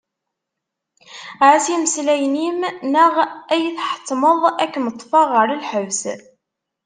Ɛass imeslayen-im neɣ ad iyi-tḥettmeḍ ad kem-ṭfeɣ ɣer lḥebs.